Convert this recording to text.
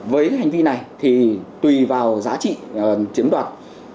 với hành vi này thì tùy vào giá trị chiếm đoạt